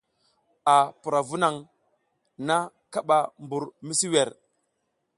A pura vu naƞʼna kaɓa mɓur misi wer.